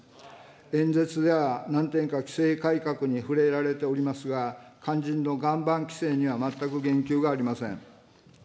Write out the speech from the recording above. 演説では何点か規制改革に触れられておりますが、肝心の岩盤規制には全く言及がありません。